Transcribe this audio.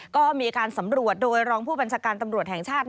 ก็มีการสำรวจโดยรองผู้บัญชาการตำรวจแห่งชาติ